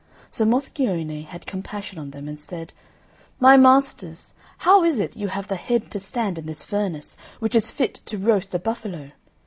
So Moscione had compassion on them, and said, "My masters, how is it you have the head to stand in this furnace, which is fit to roast a buffalo?"